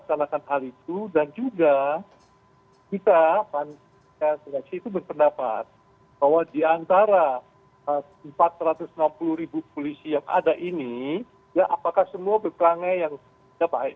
dan saya juga berpendapat bahwa di antara empat ratus enam puluh ribu polisi yang ada ini ya apakah semua berkelanjah yang tidak baik